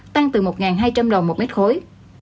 tăng từ một hai trăm linh đồng một mét khối